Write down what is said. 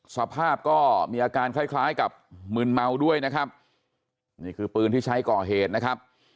สภาพก็มีอาการคล้ายคล้ายกับมืนเมาด้วยนะครับนี่คือปืนที่ใช้ก่อเหตุนะครับ